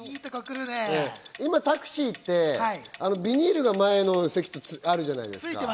今、タクシーってビニールが前の席あるじゃない。